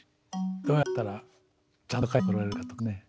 どうやったらちゃんと帰ってこられるかとかですね。